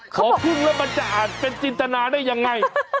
เขาบอกค่ะพอเพึ่งมันจะอาจเป็นจิตนาได้ยังไง